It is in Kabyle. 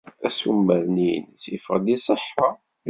Asumer-nni-ines yeffeɣ-d iṣeḥḥa.